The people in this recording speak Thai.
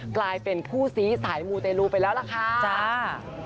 กลายเป็นคู่ซี้สายมูเตลูไปแล้วล่ะค่ะจ้า